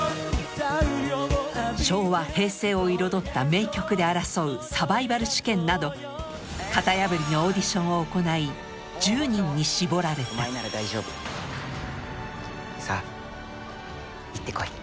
太陽浴びて昭和平成を彩った名曲で争うサバイバル試験など型破りのオーディションを行い１０人に絞られた「さぁ行ってこい」。